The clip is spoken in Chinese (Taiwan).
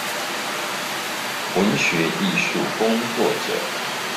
文學藝術工作者